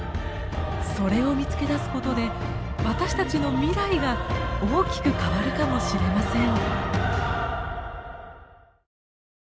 それを見つけ出すことで私たちの未来が大きく変わるかもしれません。